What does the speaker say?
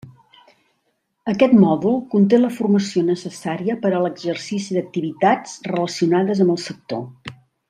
Aquest mòdul conté la formació necessària per a l'exercici d'activitats relacionades amb el sector.